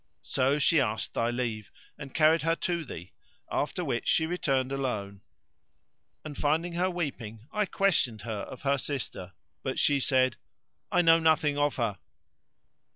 So she asked thy leave and carried her to thee; after which she returned alone and, finding her weeping, I questioned her of her sister, but she said, 'I know nothing of her.'